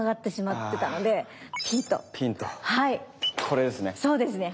これですね。